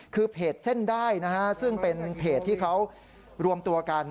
คือเพจเส้นได้นะฮะซึ่งเป็นเพจที่เขารวมตัวกัน